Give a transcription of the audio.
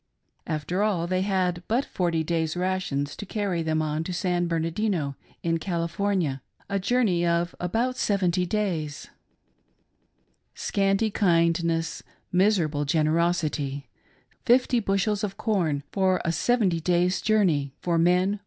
After all, they had but forty days' rations to carry them on to San Bernardino, in California — a journey of about seventy days. Scanty kindness — miserable generosity !— fifty bushels of corn for a seventy days' journey, for men. 328 THE MILITIA ASSEMBLED.